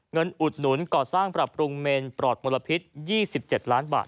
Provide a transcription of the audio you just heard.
อุดหนุนก่อสร้างปรับปรุงเมนปลอดมลพิษ๒๗ล้านบาท